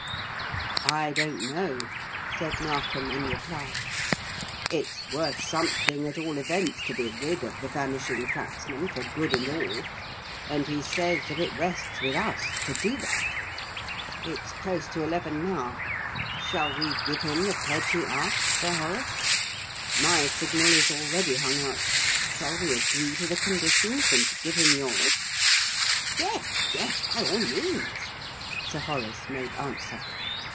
"I don't know," said Narkom in reply. "It's worth something, at all events, to be rid of 'The Vanishing Cracksman' for good and all; and he says that it rests with us to do that. It's close to eleven now. Shall we give him the pledge he asks, Sir Horace? My signal is already hung out; shall we agree to the conditions and give him yours?" "Yes, yes, by all means," Sir Horace made answer.